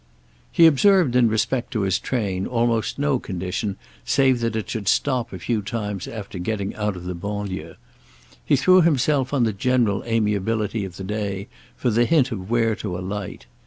He observed in respect to his train almost no condition save that it should stop a few times after getting out of the banlieue; he threw himself on the general amiability of the day for the hint of where to alight.